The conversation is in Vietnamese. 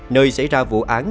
nơi xảy ra vụ án